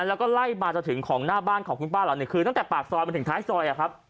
แล้วก็ไล่มาจนถึงของหน้าบ้านของคุณป้าเหล่านี้คือตั้งแต่ปากซอยมาถึงท้ายซอย